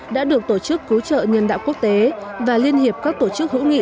đã được tổ chức cứu trợ nhân đạo quốc tế và liên hiệp các tổ chức hữu nghị